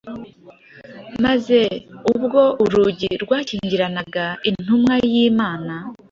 maze ubwo urugi rwakingiranaga intumwa y’Imana,